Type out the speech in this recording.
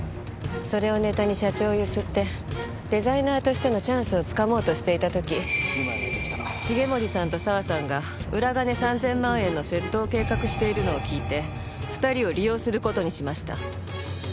それをネタに社長を強請ってデザイナーとしてのチャンスをつかもうとしていた時重森さんと佐和さんが裏金３０００万円の窃盗を計画しているのを聞いて２人を利用する事にしました。